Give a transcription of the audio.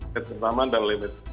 ketentaman dan limit